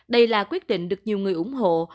đây là quyết định được nhiều người ủng hộ